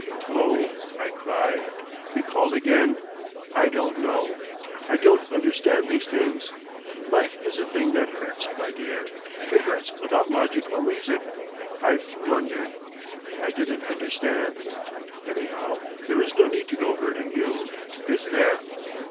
"Oh!" I cried, recalled again; "I don't know. I don't understand these things. Life is a thing that hurts, my dear! It hurts without logic or reason. I've blundered! I didn't understand. Anyhow—there is no need to go hurting you, is there?"